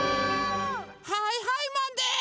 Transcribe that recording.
はいはいマンです！